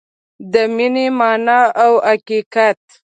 د مینې مانا او حقیقت